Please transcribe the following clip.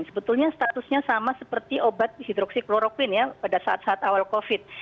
sebetulnya statusnya sama seperti obat hidroksikloroquine ya pada saat saat awal covid